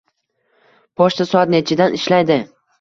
Pochta soat nechidan ishlaydi?